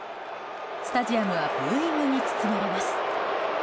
スタジアムはブーイングに包まれます。